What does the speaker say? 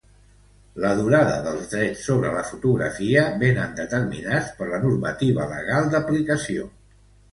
La durada dels drets sobre la fotografia vénen determinats per la normativa legal d'aplicació.